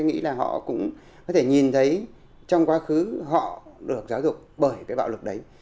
những con người đấy thì tôi nghĩ là họ cũng có thể nhìn thấy trong quá khứ họ được giáo dục bởi cái bạo lực đấy